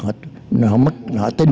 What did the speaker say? họ mất họ tin